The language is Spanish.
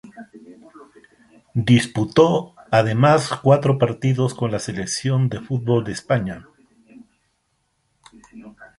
Disputó además cuatro partidos con la selección de fútbol de España.